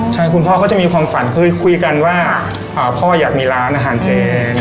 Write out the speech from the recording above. ใช่คุณพ่อก็จะมีความฝันเคยคุยกันว่าพ่ออยากมีร้านอาหารเจน